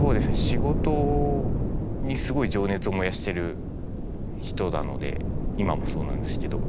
仕事にすごい情熱を燃やしてる人なので今もそうなんですけど。